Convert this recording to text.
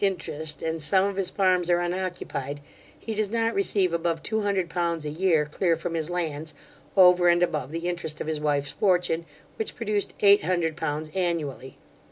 interest, and some of his farms are unoccupied, he does not receive above two hundred pounds a year clear from his lands, over and above the interest of his wife's fortune, which produced eight hundred pounds annually.